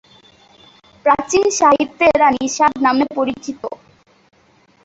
প্রাচীন সাহিত্যে এরা নিষাদ নামে পরিচিত।